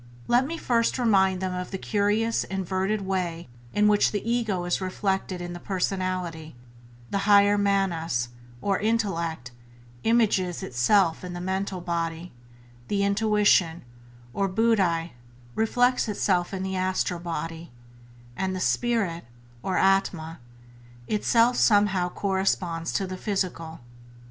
Let me first remind them of the curious inverted way in which the ego is reflected in the personality; the higher manas, or intellect, images itself in the mental body, the intuition, or buddhi, reflects itself in the astral body, and the spirit, or atma, itself somehow corresponds to the physical.